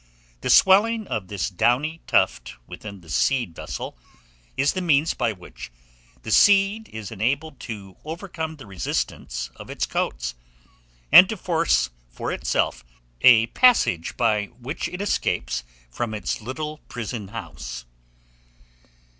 The swelling of this downy tuft within the seed vessel is the means by which the seed is enabled to overcome the resistance of its coats, and to force for itself a passage by which it escapes from its little prison house.